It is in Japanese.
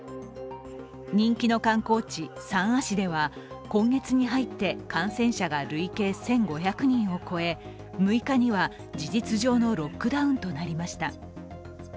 人気の観光地、三亜市では今月に入って感染者が累計１５００人を超え６日には事実上のロックダウンとなりました。